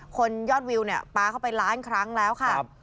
ยอดวิวเนี่ยปลาเข้าไปล้านครั้งแล้วค่ะ